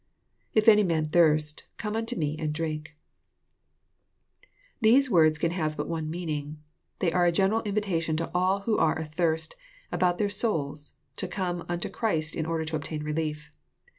iJf any man thirst,.. come unto me and drink.] These words can have but one meaning. — They are a general invitation to all who are athirst about their souls, to come nnto Christ in order to obtain relief.